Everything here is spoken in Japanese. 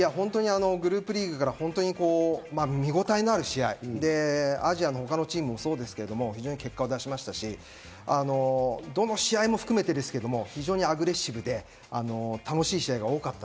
グループリーグから見応えのある試合、アジアの他のチームもそうですけど、結果を出しましたし、どの試合も非常にアグレッシブで、楽しい試合が多かった。